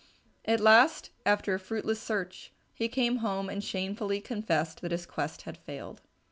At last, after a fruitless search, he came home and shamefully confessed that his quest had failed.